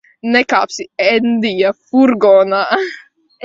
Nekāpsi Endija furgonā.